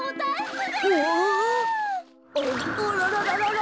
あららららら。